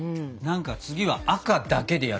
次は赤だけでやるとかさ。